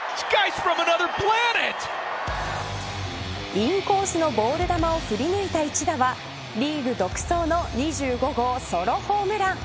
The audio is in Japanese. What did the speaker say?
インコースのボール球を振り抜いた一打はリーグ独走の２５号ソロホームラン。